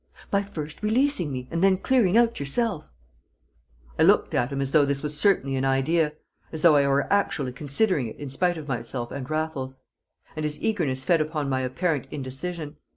"By first releasing me, and then clearing out yourself!" I looked at him as though this was certainly an idea, as though I were actually considering it in spite of myself and Raffles; and his eagerness fed upon my apparent indecision.